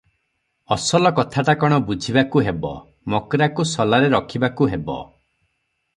ଅସଲ କଥାଟା କ’ଣ ବୁଝିବାକୁ ହେବ ।' ମକ୍ରାକୁ ସଲାରେ ରଖିବାକୁ ହେବ ।